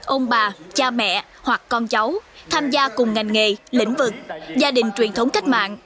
ông bà cha mẹ hoặc con cháu tham gia cùng ngành nghề lĩnh vực gia đình truyền thống cách mạng